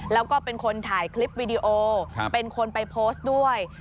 แล้วก็เป็นคนถ่ายคลิปวิดีโอเป็นคนไปโพสต์ด้วย